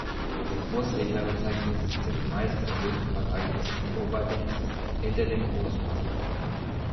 Bei Großseglern bezeichnet es den meist erhöhten Bereich des Oberdecks hinter dem Großmast.